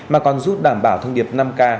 mà còn giúp đảm bảo thông điệp năm k